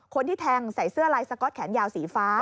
คนที่แทงใส่เสื้อลายสก๊อตแขนยาวสีฟ้า